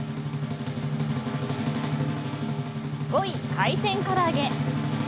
５位、海鮮唐揚げ。